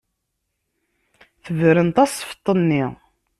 Tebren tasfeḍt-nni.